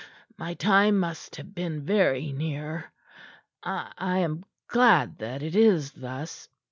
My time must have been very near. I I am glad that it is thus.